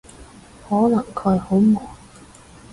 可能佢好忙